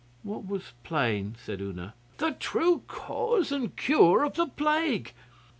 'What was plain?' said Una. 'The true cause and cure of the plague.